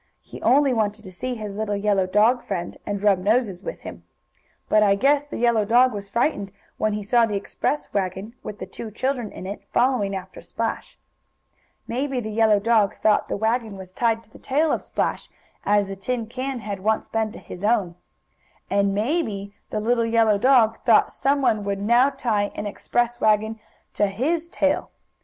He only wanted to see his little yellow dog friend again, and rub noses with him. But I guess the yellow dog was frightened when he saw the express wagon, with the two children in it, following after Splash. Maybe the yellow dog thought the wagon was tied to the tail of Splash, as the tin can had once been to his own. And maybe the little yellow dog thought some one would now tie an express wagon to his tail.